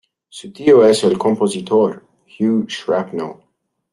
Su tío es el compositor Hugh Shrapnel.